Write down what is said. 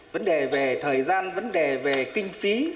vấn đề về thời gian vấn đề về kinh phí